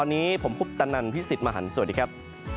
ในภาคฝั่งอันดามันนะครับ